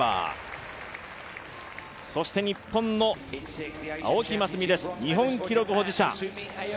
日本の青木益未です日本記録保持者。